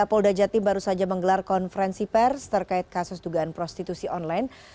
polda jatim baru saja menggelar konferensi pers terkait kasus dugaan prostitusi online